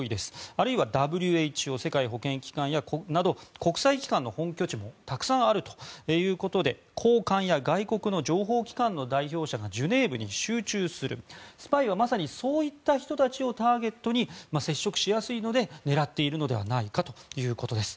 あるいはＷＨＯ・世界保健機関など国際機関の本拠地もたくさんあるということで高官や外国の情報機関の代表者がジュネーブに集中するスパイはまさにそういった人たちをターゲットに接触しやすいので狙っているのではないかということです。